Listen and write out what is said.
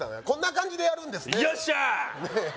こんな感じでやるんですねよっしゃ！